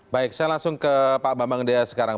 baik saya langsung ke pak bambang dea sekarang